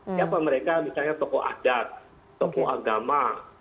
siapa mereka misalnya tokoh adat tokoh arduan tokoh agama tokoh halaman tokoh negara lainnya